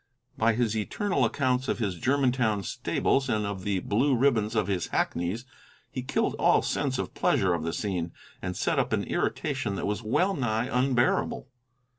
By his eternal accounts of his Germantown stables and of the blue ribbons of his hackneys he killed all sense of pleasure of the scene, and set up an irritation that was well nigh unbearable.